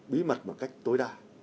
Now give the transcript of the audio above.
bí mật một cách tối đa